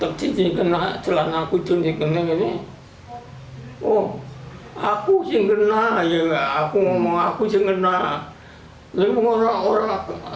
oizi mendatangkan teman teman berpengenangan itu